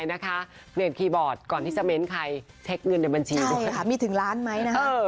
เนื้อคีย์บอร์ดก่อนที่เสมนเชกเงินในบัญชีด้วย